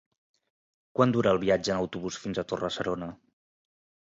Quant dura el viatge en autobús fins a Torre-serona?